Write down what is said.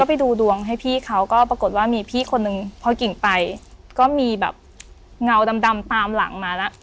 ไปดูดวงให้พี่เขาก็ปรากฏว่ามีพี่คนนึงพอกิ่งไปก็มีแบบเงาดำตามหลังมาแล้ว